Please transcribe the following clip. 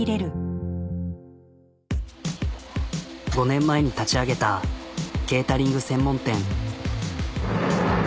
５年前に立ち上げたケータリング専門店。